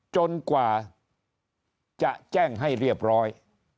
จนกว่าจะแจ้งให้เรียบร้อย